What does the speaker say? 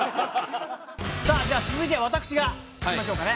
さあじゃあ続いては私が引きましょうかね。